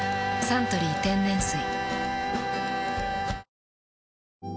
「サントリー天然水」